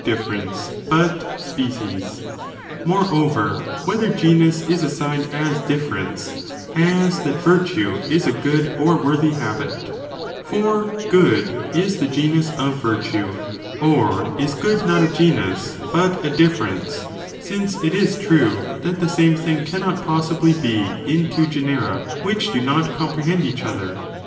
difference, but species. a , Moreover, whether genus is assigned as differ~ τα σα, ence, as that virtue is ἃ good or worthy habit, for good is the genus of virtue ; or is good not a genus, but a difference, since it is true that the same thing cannot possibly be in two genera which do not comprehend each other?